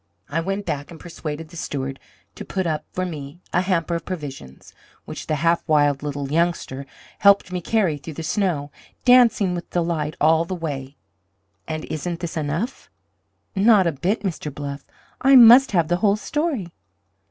I went back and persuaded the steward to put up for me a hamper of provisions, which the half wild little youngster helped me carry through the snow, dancing with delight all the way. And isn't this enough?" "Not a bit, Mr. Bluff. I must have the whole story."